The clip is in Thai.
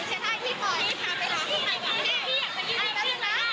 สวัสดีครับทุกคน